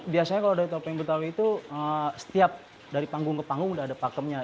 biasanya kalau dari topeng betawi itu setiap dari panggung ke panggung udah ada pakemnya